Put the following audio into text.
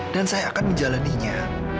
dan saya akan menjalannya